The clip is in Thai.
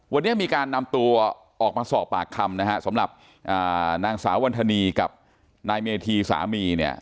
วันนี้มีการนำตัวออกมาสอบปากคำนะฮะสำหรับนางสาววันธนีกับนายเมธีสามีเนี่ย